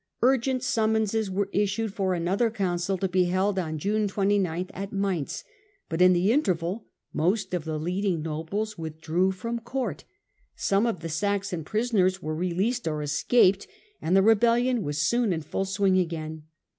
Urgent summonses were issued for another council to be held on June 29 at Mainz, but in the interval most of the leading nobles withdrew from court, some of — ffieSaxon prisoners were released or escaped, and the rebellion was soon in ftiU swing again.